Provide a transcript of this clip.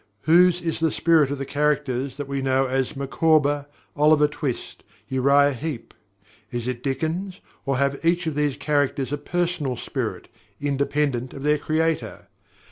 Whose is the "spirit" of the characters that we know as Micawber, Oliver Twist, Uriah Heep is it Dickens, or have each of these characters a personal spirit, independent of their creator?